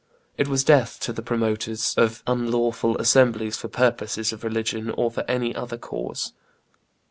It was death to the promoters of "unlawful assemblies for purposes of religion or for any other cause."